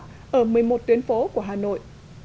ở một mươi một tuyến phố của hà nội